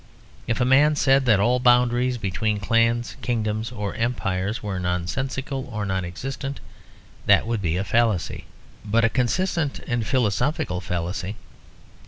If a man said that all boundaries between clans, kingdoms, or empires were nonsensical or non existent, that would be a fallacy, but a consistent and philosophical fallacy.